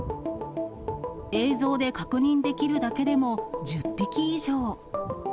映像で確認できるだけでも、１０匹以上。